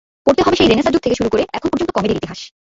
পড়তে হবে সেই রেনেসাঁ যুগ থেকে শুরু করে এখন পর্যন্ত কমেডির ইতিহাস।